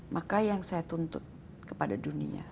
maka yang saya tuntut kepada dunia